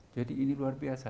jadi ini luar biasa